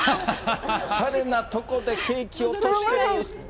おしゃれな所でケーキ落としてる。